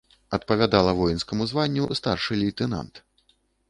Адпавядала воінскаму званню старшы лейтэнант.